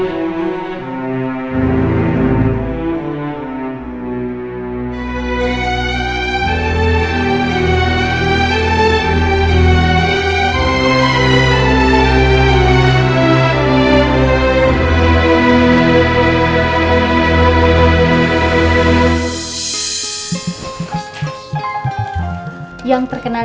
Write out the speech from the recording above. dimana dia sekarang